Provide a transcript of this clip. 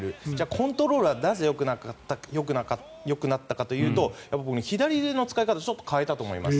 コントロールはなぜよくなったかというと左腕の使い方をちょっと変えたと思います。